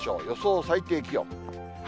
予想最低気温。